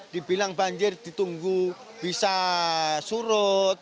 dibilang banjir ditunggu bisa surut